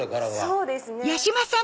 そうですね。